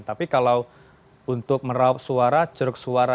tapi kalau untuk meraup suara ceruk suara